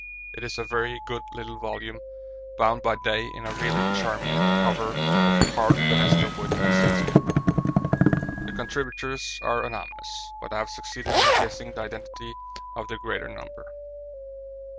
It is a very good little volume, bound by Day in a really charming cover of carved venesta wood and sealskin. The contributors are anonymous, but I have succeeded in guessing the identity of the greater number.